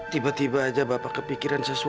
tiba tiba aja bapak kepikiran sesuatu